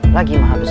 lagi maha besar